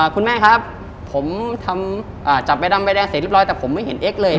คุณแม่ครับผมทำจับใบดำใบแดงเสร็จเรียบร้อยแต่ผมไม่เห็นเอ็กซเลย